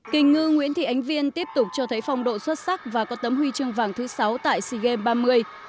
kinh ngư nguyễn thị ánh viên tiếp tục cho thấy phong độ xuất sắc và có tấm huy chương vàng thứ sáu tại sea games ba mươi